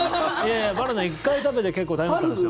バナナ、１回食べて結構大変だったんですよ。